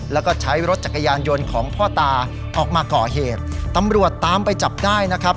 แล้วก็ใช้รถจักรยานยนต์ของพ่อตาออกมาก่อเหตุตำรวจตามไปจับได้นะครับ